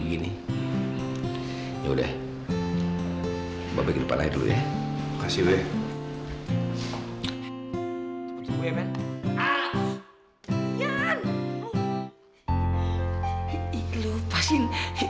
gue boleh masuk kan